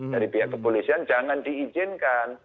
dari pihak kepolisian jangan diizinkan